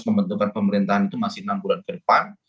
pembentukan pemerintahan itu masih enam bulan ke depan